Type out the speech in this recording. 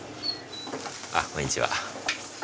あっこんにちは。